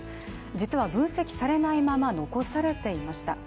実は、分析されないまま残されていました。